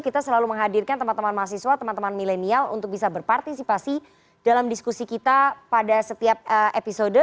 kita selalu menghadirkan teman teman mahasiswa teman teman milenial untuk bisa berpartisipasi dalam diskusi kita pada setiap episode